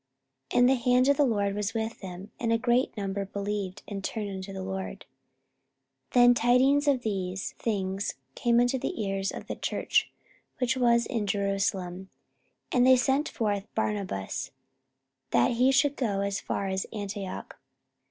44:011:021 And the hand of the Lord was with them: and a great number believed, and turned unto the Lord. 44:011:022 Then tidings of these things came unto the ears of the church which was in Jerusalem: and they sent forth Barnabas, that he should go as far as Antioch.